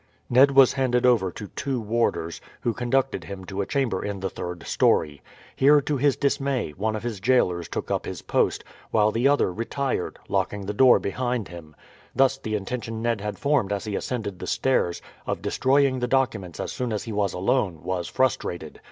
Ned was handed over to two warders, who conducted him to a chamber in the third storey. Here, to his dismay, one of his jailers took up his post, while the other retired, locking the door behind him. Thus the intention Ned had formed as he ascended the stairs of destroying the documents as soon as he was alone, was frustrated.